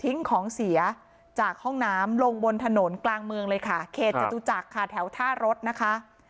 ของเสียจากห้องน้ำลงบนถนนกลางเมืองเลยค่ะเขตจตุจักรค่ะแถวท่ารถนะคะ